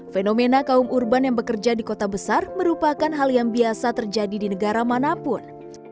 fenomena kaum urban yang bekerja di kota besar merupakan hal yang biasa terjadi di negara manapun